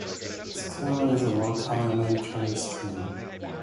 Four Corners Elementary School is the local elementary school.